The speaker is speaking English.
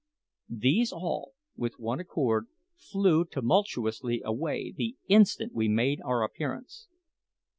These all, with one accord, flew tumultuously away the instant we made our appearance.